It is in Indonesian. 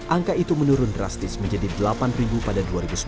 angka itu menurun drastis menjadi delapan pada dua ribu sembilan belas